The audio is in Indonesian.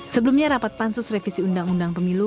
sebelumnya rapat pansus revisi undang undang pemilu